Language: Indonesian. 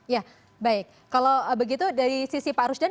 ya baik kalau begitu dari sisi pak rusdan